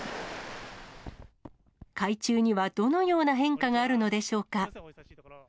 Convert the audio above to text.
海中には、どのような変化があるのでしょうか。